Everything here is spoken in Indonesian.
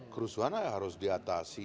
kerusuhan harus diatasi